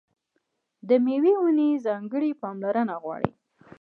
د مېوې ونې ځانګړې پاملرنه غواړي.